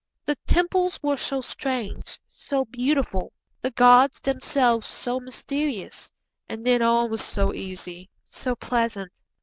The temples were so strange, so beautiful, the gods themselves so mysterious, and then all was so easy, so pleasant!